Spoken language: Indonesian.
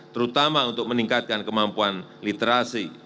terutama untuk meningkatkan kemampuan literasi